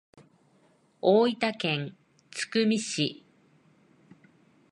大分県津久見市